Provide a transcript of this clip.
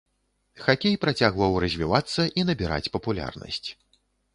Хакей працягваў развівацца і набіраць папулярнасць.